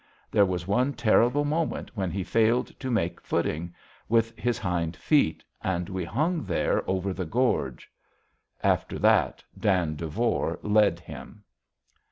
There was one terrible moment when he failed to make a footing with his hind feet and we hung there over the gorge. After that, Dan Devore led him.